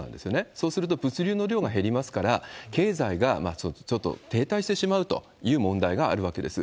そうすると、物流の量が減りますから、経済がちょっと停滞してしまうという問題があるわけです。